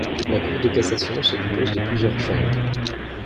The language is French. La Cour de cassation se compose de plusieurs chambres.